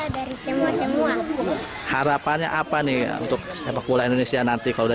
dan target kita untuk pertama kali ini tidak melupak